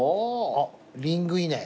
あっリングイネ。